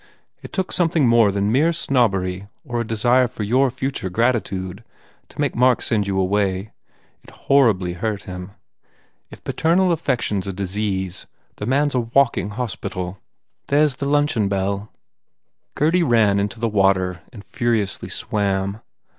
It took something more than mere snobbery or a de sire for your future gratitude to make Mark send you away. It horribly hurt him. If paternal affection s a disease the man s a walking hospital ! There s the luncheon bell." 195 THE FAIR REWARDS Gurdy ran into the water and furiously swam.